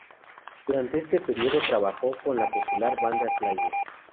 Durante este período, trabajó con la popular banda Slayer.